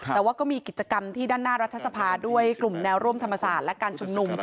แต่ว่าก็มีกิจกรรมที่ด้านหน้ารัฐสภาด้วยกลุ่มแนวร่วมธรรมศาสตร์และการชุมนุม